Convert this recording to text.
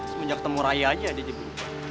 semenjak ketemu raya aja dia dibuka